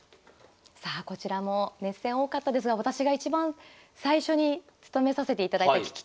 さあこちらも熱戦多かったですが私がいちばん最初に務めさせていただいた聞き手の一戦。